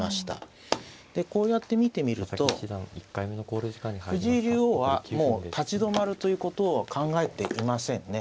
でこうやって見てみると藤井竜王はもう立ち止まるということは考えていませんね。